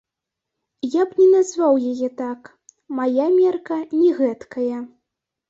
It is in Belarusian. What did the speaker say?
Я б не назваў яе так, мая мерка не гэткая.